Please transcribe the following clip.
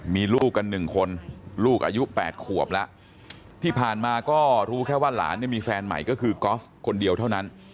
มีลูกกัน๑คนลูกอายุ๘ขวบแล้วที่ผ่านมาก็รู้แค่ว่าหลานเนี่ยมีแฟนใหม่ก็คือกอล์ฟคนเดียวเท่านั้น